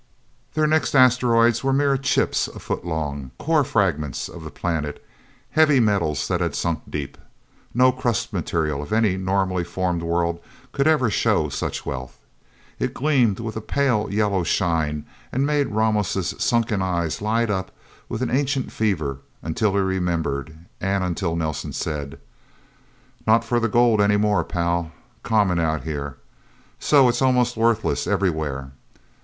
Their next asteroids were mere chips a foot long core fragments of the planet, heavy metals that had sunk deep. No crust material of any normally formed world could ever show such wealth. It gleamed with a pale yellow shine, and made Ramos' sunken eyes light up with an ancient fever, until he remembered, and until Nelsen said: "Not for the gold, anymore, pal. Common, out here. So it's almost worthless, everywhere.